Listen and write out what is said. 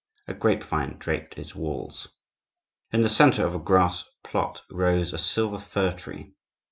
A grape vine draped its walls. In the centre of a grass plot rose a silver fir tree.